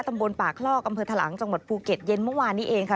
ตำบลป่าคลอกอำเภอทะลังจังหวัดภูเก็ตเย็นเมื่อวานนี้เองค่ะ